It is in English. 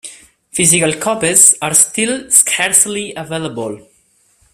Physical copies are still scarcely available.